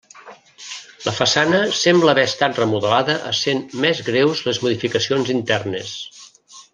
La façana sembla haver estat remodelada essent més greus les modificacions internes.